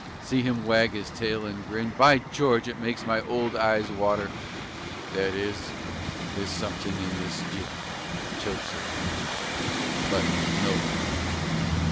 see him wag his tail and grin! By George! it makes my old eyes water! That is, there's something in this gin That chokes a fellow. But no matter!